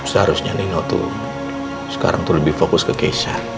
seharusnya nino sekarang lebih fokus ke keisha